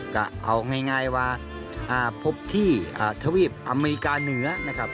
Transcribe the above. ก็เอาง่ายว่าพบที่ทวีปอเมริกาเหนือนะครับ